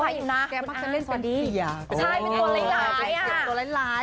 เป็นตัวแล้งร้าย